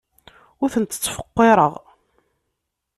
Ur tent-ttfeqqireɣ.